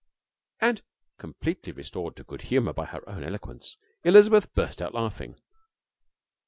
And, completely restored to good humour by her own eloquence, Elizabeth burst out laughing.